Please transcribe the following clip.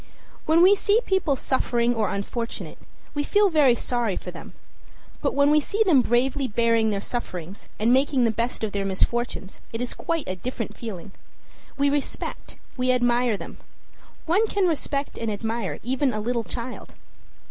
When we see people suffering or unfortunate, we feel very sorry for them; but when we see them bravely bearing their sufferings and making the best of their misfortunes, it is quite a different feeling. We respect, we admire them. One can respect and admire even a little child.